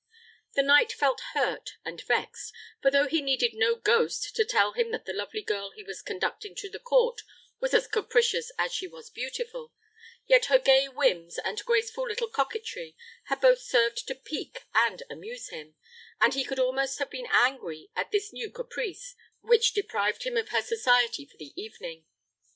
The knight felt hurt and vexed; for though he needed no ghost to tell him that the lovely girl he was conducting to the court was as capricious as she was beautiful, yet her gay whims and graceful little coquetry, had both served to pique and amuse him, and he could almost have been angry at this new caprice, which deprived him of her society for the evening.